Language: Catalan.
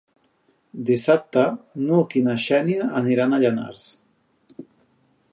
Dissabte n'Hug i na Xènia aniran a Llanars.